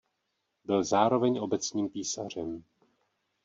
Byl zároveň obecním písařem.